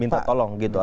minta tolong gitu atau